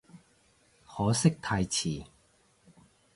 可惜太遲